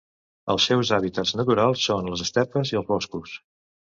Els seus hàbitats naturals són les estepes i els boscos.